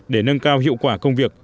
để nâng cao hiệu quả công việc